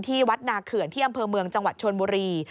วัดนาเขื่อนที่อำเภอเมืองจังหวัดชนบุรี